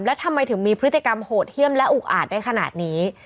แล้วทำไมถึงมีพฤติกรรมโหดเยี่ยมและอุกอาจได้ขนาดนี้